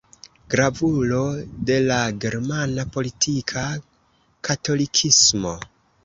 Gravulo de la germana politika katolikismo.